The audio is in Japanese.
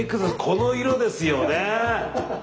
この色ですよね！